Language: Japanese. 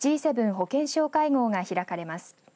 保健相会合が開かれます。